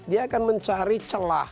dia akan mencari celana